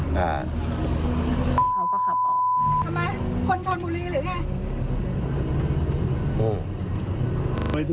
เขาก็ขับออกทำไมคนชนบุรีหรือไง